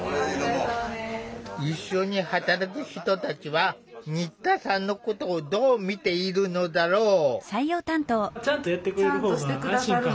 一緒に働く人たちは新田さんのことをどう見ているのだろう？